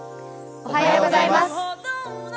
おはようございます。